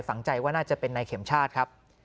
ฝังใจว่าน่าจะเป็นนายเข็มชาติครับ